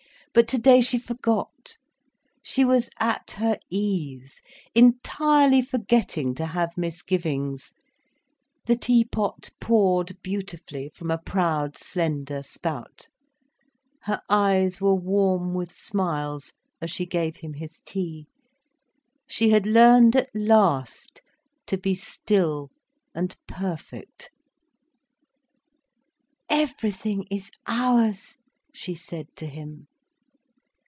But today she forgot, she was at her ease, entirely forgetting to have misgivings. The tea pot poured beautifully from a proud slender spout. Her eyes were warm with smiles as she gave him his tea. She had learned at last to be still and perfect. "Everything is ours," she said to him.